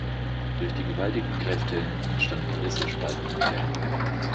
Durch die gewaltigen Kräfte entstanden Risse, Spalten und Gräben.